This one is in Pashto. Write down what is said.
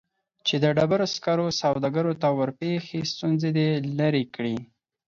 چې د ډبرو سکرو سوداګرو ته ورپېښې ستونزې دې لیرې کړي